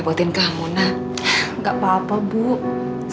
pada kamu itu basah ti